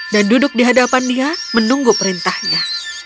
dan duduk di hadapan dia menunggu perintahnya